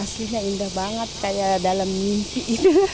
aslinya indah banget kayak dalam mimpi itu